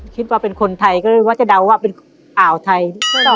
คิดว่าเป็นคนไทยก็เลยว่าจะเดาว่าเป็นอ่าวไทย